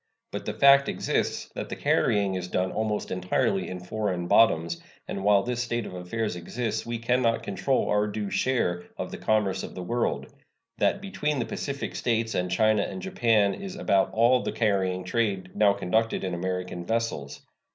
But the fact exists that the carrying is done almost entirely in foreign bottoms, and while this state of affairs exists we can not control our due share of the commerce of the world; that between the Pacific States and China and Japan is about all the carrying trade now conducted in American vessels.